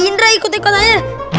eh indra ikut ikut aja